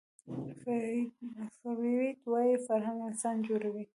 فروید وايي فرهنګ انسان جوړوي